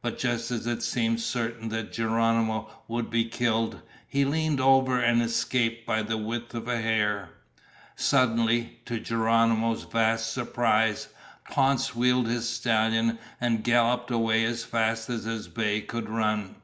But just as it seemed certain that Geronimo would be killed, he leaned over and escaped by the width of a hair. Suddenly, to Geronimo's vast surprise, Ponce wheeled his stallion and galloped away as fast as his bay could run.